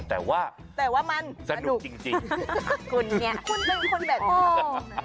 แต่ว่าสนุกจริงคุณเนี่ยคุณเป็นคนแบบนี้พ่อ